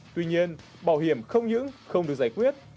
tuy nhiên bảo hiểm không những không được giải quyết